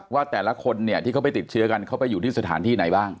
ว่าแต่ละคนเนี่ยที่เขาไปติดเชื้อกันเขาไปอยู่ที่สถานที่ไหนบ้าง